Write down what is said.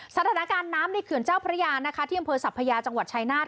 สถานการณ์น้ำในเขื่อนเจ้าพระยานะคะที่อำเภอสัพพยาจังหวัดชายนาฏ